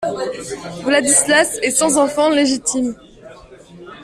Vladislas est sans enfant légitime.